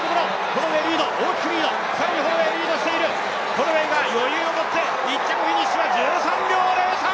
ホロウェイが余裕を持って１着フィニッシュ、１３秒０３。